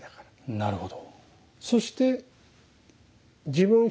なるほど。